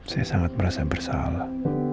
saya sangat merasa bersalah